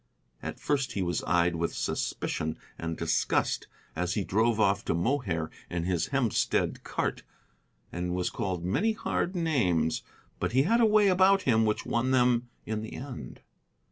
At first he was eyed with suspicion and disgust as he drove off to Mohair in his Hempstead cart, and was called many hard names. But he had a way about him which won them in the end.